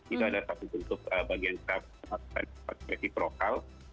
itu ada satu bentuk bagian perspektif lokal